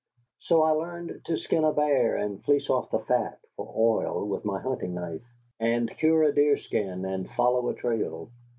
So I learned to skin a bear, and fleece off the fat for oil with my hunting knife; and cure a deerskin and follow a trail.